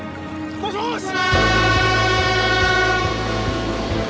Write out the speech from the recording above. もしもーし！